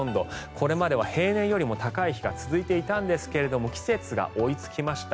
これまでは平年よりも高い日が続いていたんですが季節が追いつきました。